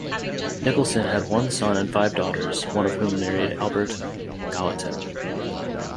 Nicholson had one son and five daughters, one of whom married Albert Gallatin.